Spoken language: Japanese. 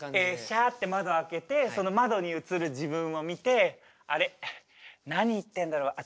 シャッて窓開けてその窓に映る自分を見て「あれ？何言ってんだろ私」。